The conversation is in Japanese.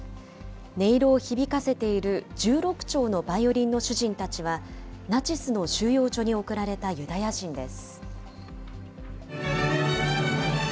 音色を響かせている１６丁のバイオリンの主人たちは、ナチスの収容所に送られたユダヤ人です。